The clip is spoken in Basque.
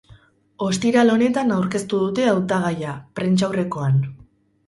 Ostiral honetan aurkeztu dute hautagaia, prentsaurrekoan.